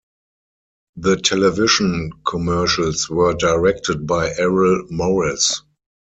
The television commercials were directed by Errol Morris.